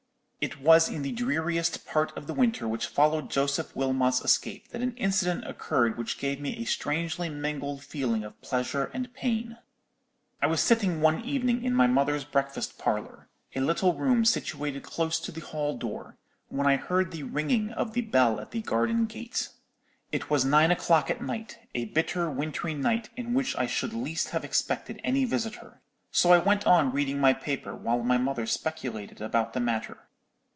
"It was in the dreariest part of the winter which followed Joseph Wilmot's escape that an incident occurred which gave me a strangely mingled feeling of pleasure and pain. I was sitting one evening in my mother's breakfast parlour—a little room situated close to the hall door—when I heard the ringing of the bell at the garden gate. It was nine o'clock at night, a bitter wintry night, in which I should least have expected any visitor. So I went on reading my paper, while my mother speculated about the matter.